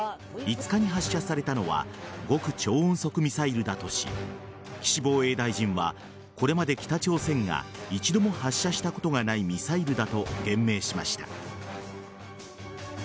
５日に発射されたのは極超音速ミサイルだとし岸防衛大臣はこれまで北朝鮮が一度も発射したことがないミサイルだと言明しました。